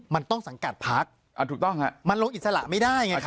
มันต้องสังกัดพักถูกต้องฮะมันลงอิสระไม่ได้ไงครับ